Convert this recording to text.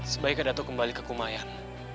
sebaiknya datang kembali ke kumayan